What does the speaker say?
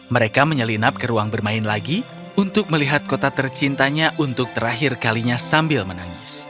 mereka menyelinap ke ruang bermain lagi untuk melihat kota tercintanya untuk terakhir kalinya sambil menangis